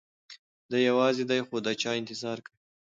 دی یوازې دی خو د چا انتظار کوي.